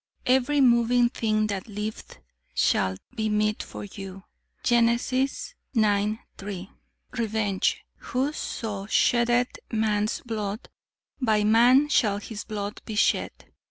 'Every moving thing that liveth shall be meat for you.' Gen. ix, 3. "Revenge. 'Whoso sheddeth man's blood, by man shall his blood be shed.'